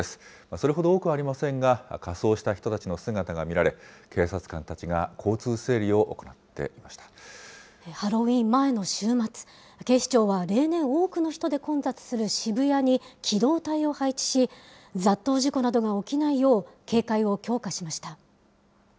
それほど多くありませんが、仮装した人たちの姿が見られ、警察官たちが交通整理を行っていまハロウィーン前の週末、警視庁は、例年多くの人で混雑する渋谷に機動隊を配置し、雑踏事故などが起きないよう、警戒を強化しました。